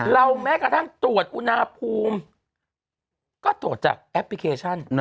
แม้กระทั่งตรวจอุณหภูมิก็ตรวจจากแอปพลิเคชัน